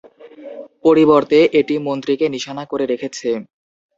পরিবর্তে, এটি মন্ত্রীকে নিশানা করে রেখেছে।